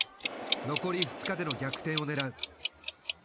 残り２日での逆転を狙う。